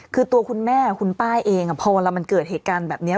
คือตัวคุณแม่คุณป้าเองพอเวลามันเกิดเหตุการณ์แบบนี้